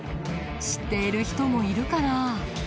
知っている人もいるかな？